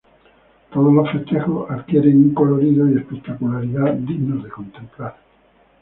Todos los festejos adquieren un colorido y espectacularidad dignos de contemplar.